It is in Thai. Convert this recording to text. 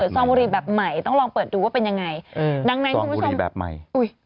ซองบุหรี่แบบใหม่ต้องลองเปิดดูว่าเป็นยังไงซองบุหรี่แบบใหม่